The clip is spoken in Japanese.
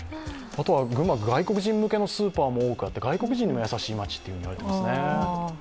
群馬は外国人向けのスーパーも多くあって外国人にも優しい街と言われていますね。